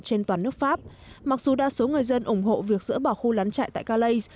trên toàn nước pháp mặc dù đa số người dân ủng hộ việc dỡ bỏ khu lán trại tại calais